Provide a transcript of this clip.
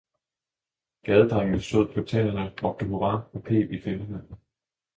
gadedrengene stod på tæerne, råbte hurra og peb i fingrene.